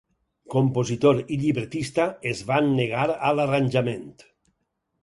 Compositor i llibretista es van negar a l'arranjament.